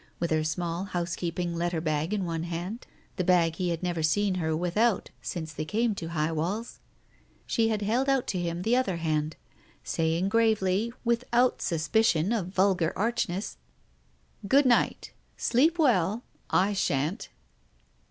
With her small housekeeping letter bag in one hand — the bag he had never seen her without since they came to High Walls — she had held out to him the other hand, saying gravely, without suspicion of vulgar archness — "Good night. Sleep well. I shan't."